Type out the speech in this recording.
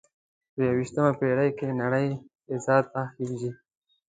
په یوویشتمه پیړۍ کې نړۍ فضا ته خیږي